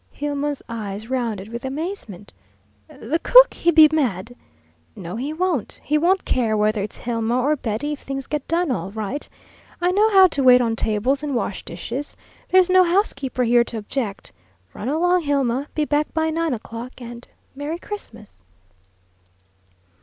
Hilma's eyes rounded with amazement. "The cook, he be mad." "No, he won't. He won't care whether it's Hilma or Betty, if things get done all right. I know how to wait on table and wash dishes. There's no housekeeper here to object. Run along, Hilma; be back by nine o'clock and Merry Christmas!"